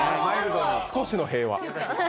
少しの平和。